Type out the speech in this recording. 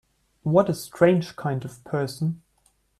What a strange kind of person!